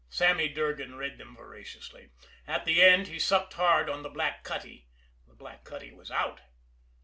Sammy Durgan read them voraciously. At the end, he sucked hard on the black cutty. The black cutty was out.